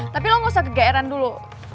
tapi lo gak usah kegeeran dulu